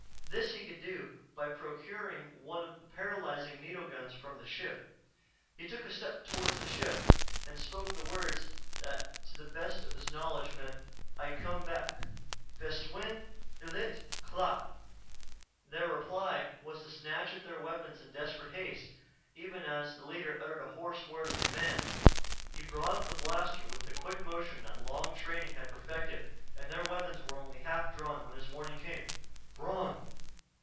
This he could do by procuring one of the paralyzing needle guns from the ship. He took a step toward the ship and spoke the words that to the best of his knowledge meant: "I come back." "Feswin ilt k'la." Their reply was to snatch at their weapons in desperate haste, even as the leader uttered a hoarse word of command. He brought up the blaster with the quick motion that long training had perfected and their weapons were only half drawn when his warning came: "_Bron!